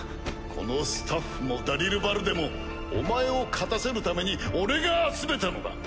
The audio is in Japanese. このスタッフもダリルバルデもお前を勝たせるために俺が集めたのだ。